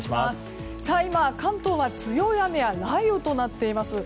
今、関東は強い雨や雷雨となっています。